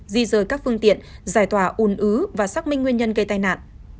di rời các phương tiện giải tỏa ùn ứ và xác minh nguyên nhân gây tai nạn